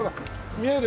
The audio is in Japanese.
見える？